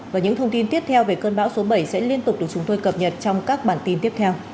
và những thông tin tiếp theo về cơn bão số bảy sẽ liên tục được chúng tôi cập nhật trong các bản tin tiếp theo